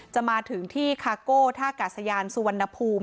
จะมาถึงที่คาโก้ท่ากาศยานสุวรรณภูมิ